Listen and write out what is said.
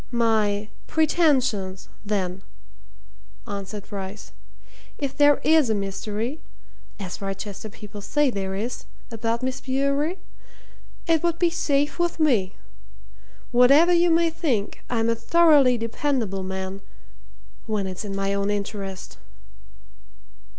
"My pretensions, then," answered Bryce. "If there is a mystery as Wrychester people say there is about Miss Bewery, it would be safe with me. Whatever you may think, I'm a thoroughly dependable man when it's in my own interest."